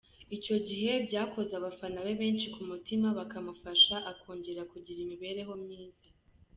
Icyo gihe byakoze abafana be benshi ku mutima bakamufasha akongera kugira imibereho myiza.